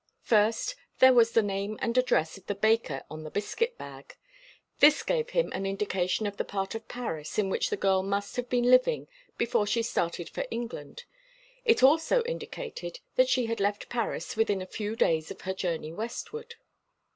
First, there was the name and address of the baker on the biscuit bag. This gave him an indication of the part of Paris in which the girl must have been living before she started for England; it also indicated that she had left Paris within a few days of her journey westward.